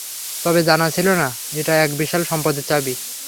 তবে জানা ছিল না এটা এক বিশাল সম্পদের চাবি।